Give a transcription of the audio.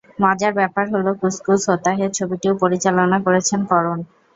মজার ব্যাপার হলো, কুছ কুছ হোতা হ্যায় ছবিটিও পরিচালনা করেছেন করণ।